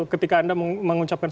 ketika anda mengucapkan